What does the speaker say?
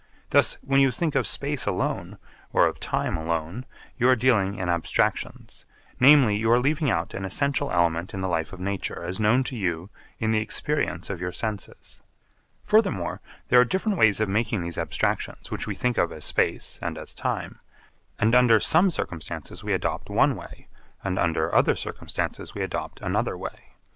Thus when you think of space alone, or of time alone, you are dealing in abstractions, namely, you are leaving out an essential element in the life of nature as known to you in the experience of your senses. Furthermore there are different ways of making these abstractions which we think of as space and as time; and under some circumstances we adopt one way and under other circumstances we adopt another way.